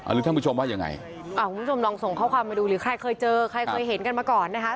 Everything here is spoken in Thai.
ท่านผู้ชมว่ายังไงคุณผู้ชมลองส่งข้อความมาดูหรือใครเคยเจอใครเคยเห็นกันมาก่อนนะคะ